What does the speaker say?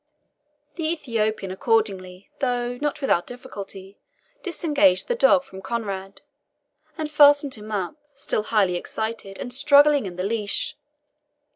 The Ethiopian, accordingly, though not without difficulty, disengaged the dog from Conrade, and fastened him up, still highly excited, and struggling in the leash.